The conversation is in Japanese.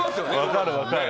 分かる分かる。